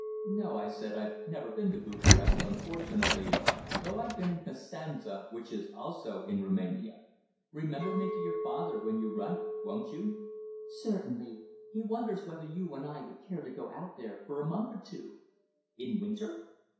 "No," I said, "I've never been to Bucharest, unfortunately, though I've been in Constanza, which is also in Roumania. Remember me to your father when you write, won't you?" "Certainly. He wonders whether you and I would care to go out there for a month or two?" "In winter?"